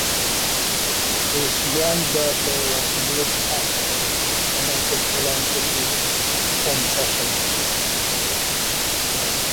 His granddaughter was Brooke Astor, a noted philanthropist and socialite.